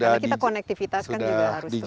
karena kita konektivitas kan juga harus terus berkembang